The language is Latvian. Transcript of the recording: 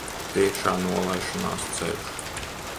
Priekšā nolaišanās ceļš.